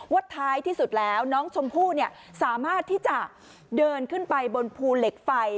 ท้ายที่สุดแล้วน้องชมพู่สามารถที่จะเดินขึ้นไปบนภูเหล็กไฟ